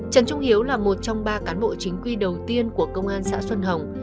trần trung hiếu là một trong ba cán bộ chính quy đầu tiên của công an xã xuân hồng